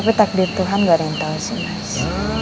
tapi takdir tuhan gak ada yang tahu sih mas